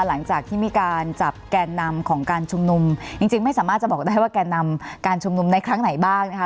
หลังจากที่มีการจับแกนนำของการชุมนุมจริงจริงไม่สามารถจะบอกได้ว่าแกนนำการชุมนุมในครั้งไหนบ้างนะคะ